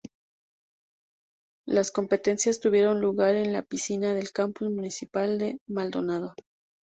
Las competencias tuvieron lugar en la piscina del Campus Municipal de Maldonado.